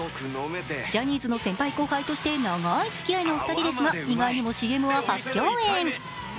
ジャニーズの先輩・後輩として長いつきあいの２人ですが、意外にもＣＭは初共演。